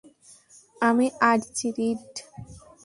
আমি Archie read!